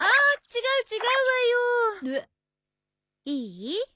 いい？